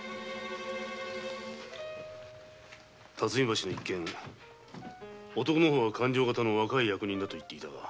巽橋の一件男の方は勘定方の若い役人だと言っていたな？